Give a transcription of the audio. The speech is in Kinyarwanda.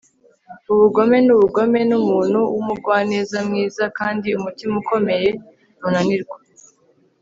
Ubugome ni ubugome numuntu wumugwaneza mwiza kandi umutima ukomeye ntunanirwa